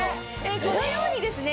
このようにですね